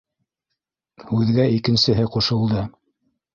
Һүҙгә икенсеһе ҡушылды: